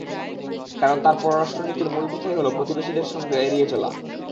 কারণ, তাঁর পররাষ্ট্রনীতির মূল কথাই হলো প্রতিবেশীদের সঙ্গে নিয়ে এগিয়ে চলা।